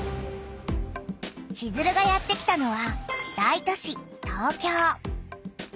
チズルがやってきたのは大都市東京。